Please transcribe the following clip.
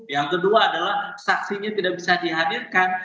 yang kedua adalah saksinya tidak bisa dihadirkan